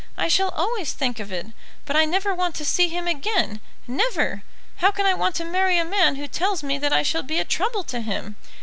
I shall always think of it. But I never want to see him again never! How can I want to marry a man who tells me that I shall be a trouble to him?